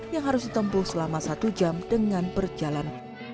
yang harus ditempuh selama satu jam dengan berjalan